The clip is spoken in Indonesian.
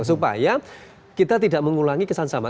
supaya kita tidak mengulangi kesan sama